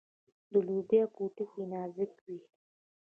د لوبیا پوټکی نازک وي.